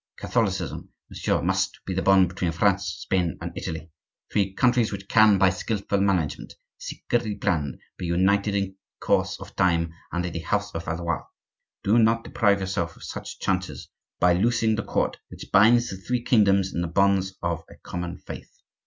Catholicism, monsieur, must be the bond between France, Spain, and Italy, three countries which can, by skilful management, secretly planned, be united in course of time, under the house of Valois. Do not deprive yourself of such chances by loosing the cord which binds the three kingdoms in the bonds of a common faith.